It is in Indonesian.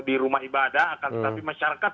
di rumah ibadah akan tetapi masyarakat